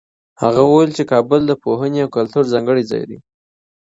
هغه وویل چي کابل د پوهنې او کلتور ځانګړی ځای دی.